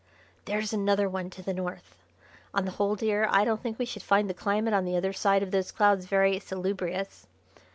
there's another one to the north! On the whole, dear, I don't think we should find the climate on the other side of those clouds very salubrious.